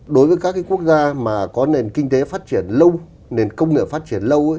đối với các cái quốc gia mà có nền kinh tế phát triển lâu nền công nghiệp phát triển lâu ấy